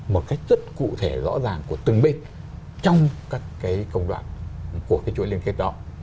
một cách rất cụ thể rõ ràng của từng bên trong các cái công đoạn của cái chuỗi liên kết đó